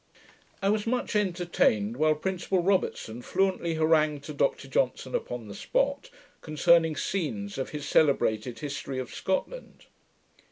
I was much entertained while Principal Robertson fluently harangued to Dr Johnson, upon the spot, concerning scenes of his celebrated History of Scotland.